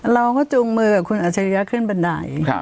จูงมือกับคุณอัชริยะขึ้นบันได